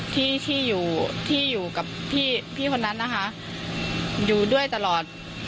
ที่ที่อยู่ที่อยู่กับพี่คนนั้นนะคะอยู่ด้วยตลอด